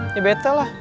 ya bete lah